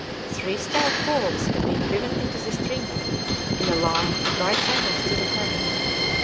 Three stout poles had been driven into the stream bed in a line at right angles to the current.